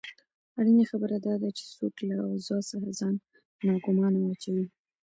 اړینه خبره داده چې څوک له اوضاع څخه ځان ناګومانه واچوي.